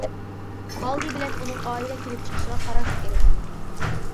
ئالدى بىلەن ئۇنىڭ ئائىلە كېلىپ چىقىشىغا قاراش كېرەك.